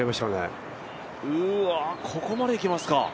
ここまで行きますか。